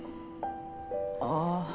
ああ。